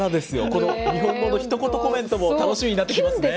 この日本語のひと言コメントも楽しみになってきましたね。